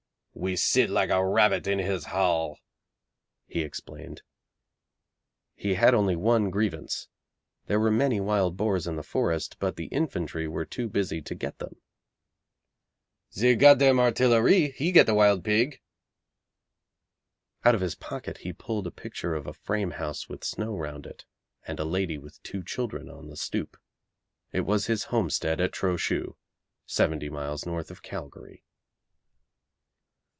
'We sit like a rabbit in his hall,' he explained. He had only one grievance. There were many wild boars in the forest, but the infantry were too busy to get them. 'The Godam Artillaree he get the wild pig!' Out of his pocket he pulled a picture of a frame house with snow round it, and a lady with two children on the stoop. It was his homestead at Trochu, seventy miles north of Calgary.